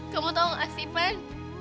kamu tau nggak sih pan